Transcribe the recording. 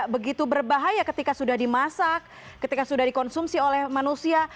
karena cacing ini berbahaya ketika sudah dimasak ketika sudah dikonsumsi oleh manusia